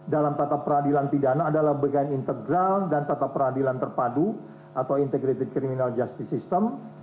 dalam tata peradilan pidana adalah bagian integral dan tata peradilan terpadu atau integrated criminal justice system